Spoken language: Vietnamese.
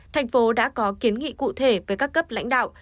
thành phố đã có kiến nghị cụ thể với các cấp lãnh đạo